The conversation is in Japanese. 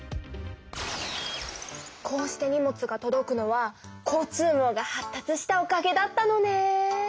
こうして荷物がとどくのは交通網が発達したおかげだったのね。